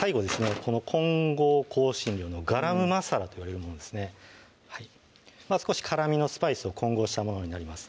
この混合香辛料のガラムマサラといわれるものですね少し辛みのスパイスを混合したものになります